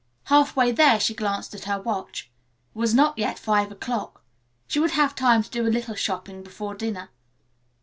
Half way there she glanced at her watch. It was not yet five o'clock. She would have time to do a little shopping before dinner.